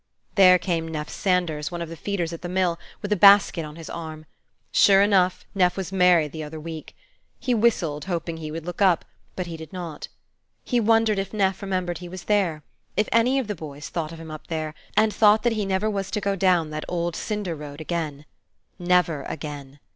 There came Neff Sanders, one of the feeders at the mill, with a basket on his arm. Sure enough, Nyeff was married the other week. He whistled, hoping he would look up; but he did not. He wondered if Neff remembered he was there, if any of the boys thought of him up there, and thought that he never was to go down that old cinder road again. Never again!